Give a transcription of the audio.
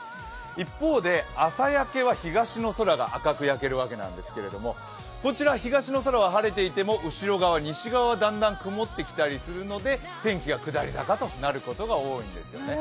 一方で朝焼けは東の空が赤く焼けるわけなんですけれども、こちら東の空は晴れていても後ろ側、西側はだんだん曇ってきたりするので天気が下り坂となることが多いんですね。